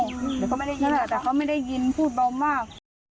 เดี๋ยวก็ไม่ได้ยินแต่เขาไม่ได้ยินพูดเบามาก